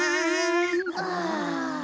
ああ。